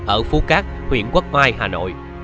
ở phú cát huyện quất mai hà nội